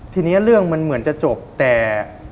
ทีนี้เรื่องมันเหมือนจะจบแต่